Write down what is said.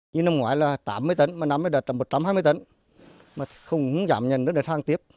như năm ngoái là tám mươi tấn mà năm nay là một trăm hai mươi tấn mà không giảm nhận được hàng tiếp